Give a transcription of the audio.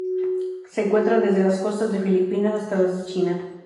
Se encuentra desde las costas de Filipinas hasta las de la China.